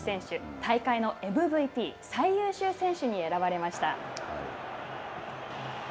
大会のＭＶＰ＝最優秀選手に選ばれました。